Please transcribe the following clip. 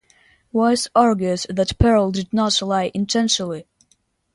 Wise argued that Perl did not lie intentionally.